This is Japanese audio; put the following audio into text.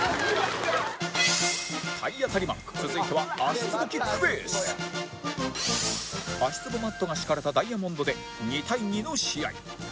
体当たりマン続いては足つぼマットが敷かれたダイヤモンドで２対２の試合